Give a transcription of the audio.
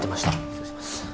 失礼します